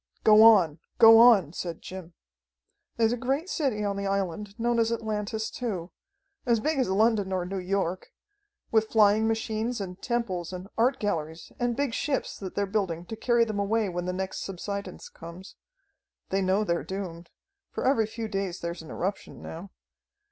"Go on! Go on!" said Jim. "There's a great city on the island, known as Atlantis too. As big as London or New York. With flying machines and temples and art galleries and big ships that they're building to carry them away when the next subsidence comes. They know they're doomed, for every few days there's an eruption now.